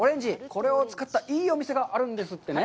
これを使った、いいお店があるんですってね。